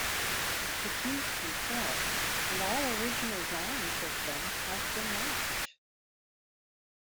The keys themselves, and all original drawings of them, have been lost.